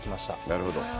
なるほど。